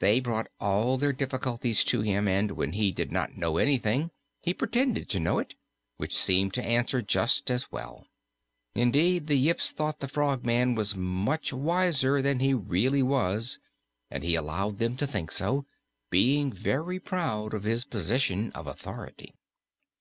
They brought all their difficulties to him, and when he did not know anything, he pretended to know it, which seemed to answer just as well. Indeed, the Yips thought the Frogman was much wiser than he really was, and he allowed them to think so, being very proud of his position of authority.